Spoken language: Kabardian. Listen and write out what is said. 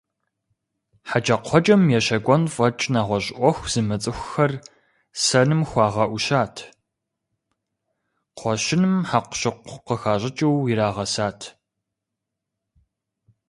ХьэкӀэкхъуэкӀэм ещэкӀуэн фӀэкӀ нэгъуэщӀ Ӏуэху зымыцӀыхухэр сэным хуагъэӀущат, кхъуэщыным хьэкъущыкъу къыхащӀыкӀыу ирагъэсат.